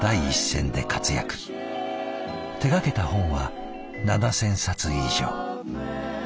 手がけた本は７，０００冊以上。